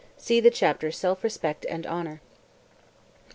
See the chapter "Self Respect and Honor.")